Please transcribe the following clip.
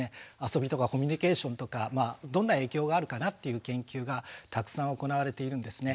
遊びとかコミュニケーションとかどんな影響があるかなっていう研究がたくさん行われているんですね。